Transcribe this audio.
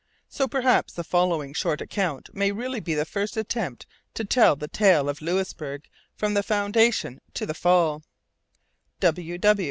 So perhaps the following short account may really be the first attempt to tell the tale of Louisbourg from the foundation to the fall.